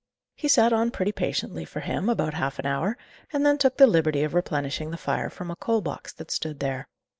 He sat on pretty patiently, for him, about half an hour, and then took the liberty of replenishing the fire from a coal box that stood there.